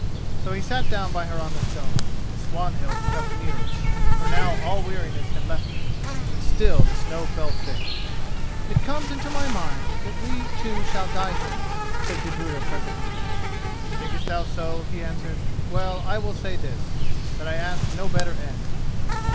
So he sat down by her on the stone, and Swanhild crept nearer; for now all weariness had left her. But still the snow fell thick. "It comes into my mind that we two shall die here," said Gudruda presently. "Thinkest thou so?" he answered. "Well, I will say this, that I ask no better end."